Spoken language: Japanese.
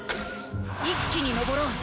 一気にのぼろう。